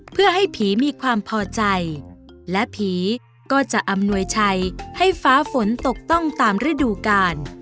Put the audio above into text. เพื่อให้ผีมีความพอใจและผีก็จะอำนวยชัยให้ฟ้าฝนตกต้องตามฤดูกาล